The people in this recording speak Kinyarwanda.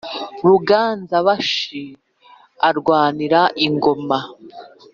ruganza-bashi arwanira ingoma